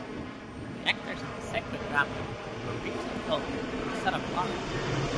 The actors in the sacred drama wore wreaths of oak instead of laurel.